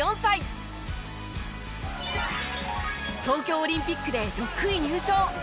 東京オリンピックで６位入賞。